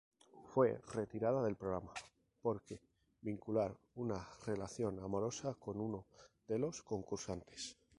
Fue retirada del programa porque vincular una relación amorosa con uno de los concursantes.